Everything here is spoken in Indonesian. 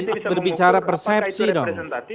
politik itu lebih cara persepsi dong